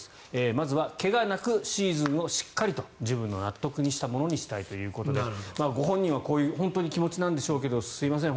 まずは怪我なくシーズンをしっかりと自分の納得のしたものにしたいということでご本人はこういう気持ちなんでしょうけどすいません